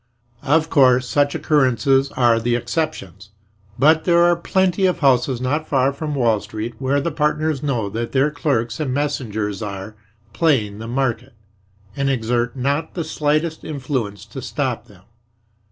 Of course, such occurrences are the exceptions, but there are plenty of houses not far from Wall Street where the partners know that their clerks and messengers are "playing the market," and exert not the slightest influence to stop them.